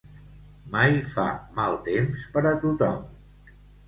Mai fa mal temps per a tothom.